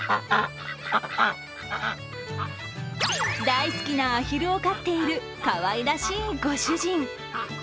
大好きなアヒルを飼っているかわいらしいご主人。